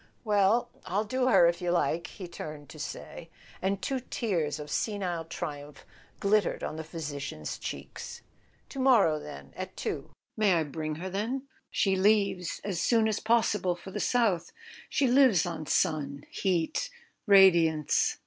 "Well, I'll do her, if you like," he turned to say; and two tears of senile triumph glittered on the physi¬ cian's cheeks. "To morrow, then—at two—may I bring her? She leaves as soon as possible for the south. She lives on sun, heat, radiance.